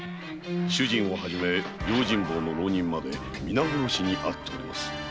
主人を始め用心棒の浪人までみな殺しにあっております。